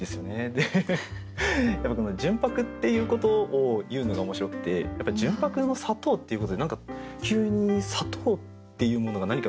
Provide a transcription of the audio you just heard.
でやっぱりこの「純白」っていうことを言うのが面白くてやっぱり「純白の砂糖」っていうことで何か急に「砂糖」っていうものが何かの比喩